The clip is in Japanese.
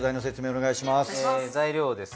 お願いします。